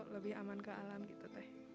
lebih aman ke alam gitu teh